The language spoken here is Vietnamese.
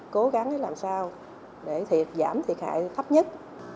cố gắng làm sao để giảm thiệt hại thấp nhất